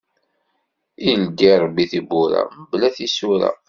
Ileddi Ṛebbi tibbura, mebla tisura.